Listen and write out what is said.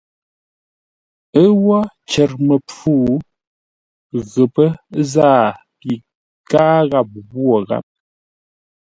Ə́ wó cər məpfû, ghəpə́ záa pi káa gháp ghwó gháp.